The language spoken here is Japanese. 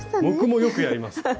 僕もよくやります。